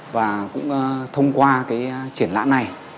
và cũng thông qua triển lãm này